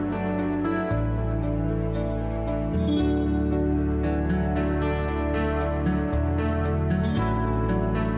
walau jadi sama bapak jetty